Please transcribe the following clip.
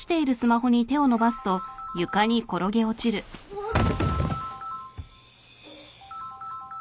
あっ。